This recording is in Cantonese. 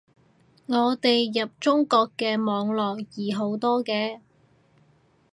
我哋入中國嘅網絡易好多嘅